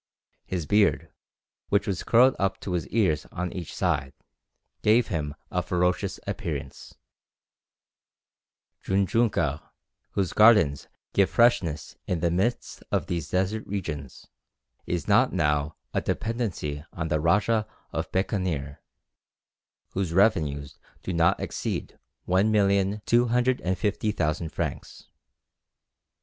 His beard, which was curled up to his ears on each side, gave him a ferocious appearance. Djounjounka, whose gardens give freshness in the midst of these desert regions, is not now a dependency of the Rajah of Bekaneer, whose revenues do not exceed 1,250,000 francs.